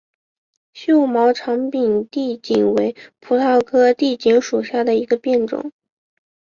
锈毛长柄地锦为葡萄科地锦属下的一个变种。